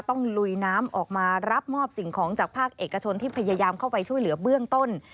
ลุยน้ำออกมารับมอบสิ่งของจากภาคเอกชนที่พยายามเข้าไปช่วยเหลือเบื้องต้น